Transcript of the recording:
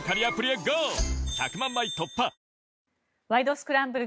スクランブル」